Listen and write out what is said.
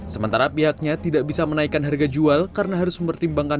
sementara pihaknya tidak bisa menaikkan harga jual karena harus mempertimbangkan